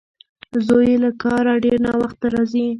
زوی یې له کاره ډېر ناوخته راځي.